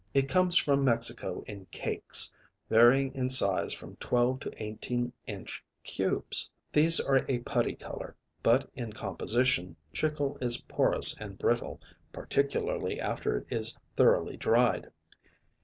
It comes from Mexico in cakes, varying in size from twelve to eighteen inch cubes; these are a putty color, but in composition chicle is porous and brittle, particularly after it is thoroughly dried.